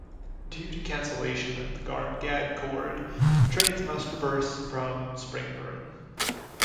Due to cancellation of the Garngad Chord, trains must reverse from Springburn.